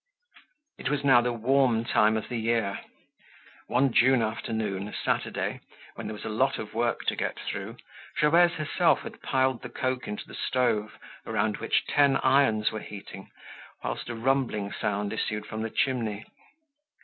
It was now the warm time of the year. One June afternoon, a Saturday when there was a lot of work to get through, Gervaise herself had piled the coke into the stove, around which ten irons were heating, whilst a rumbling sound issued from the chimney.